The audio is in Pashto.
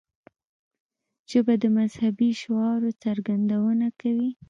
ژبه د مذهبي شعائرو څرګندونه کوي